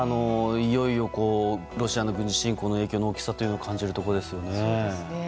いよいよロシアの軍事侵攻の影響の大きさを感じるところですね。